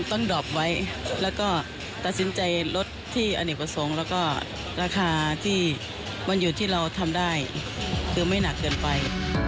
ดอบไว้แล้วก็ตัดสินใจลดที่อเนกประสงค์แล้วก็ราคาที่มันอยู่ที่เราทำได้คือไม่หนักเกินไป